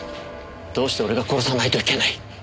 どうして俺が殺さないといけない？